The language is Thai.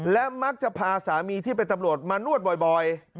และมักจะพาสามีที่เป็นตำรวจมานวดบ่อย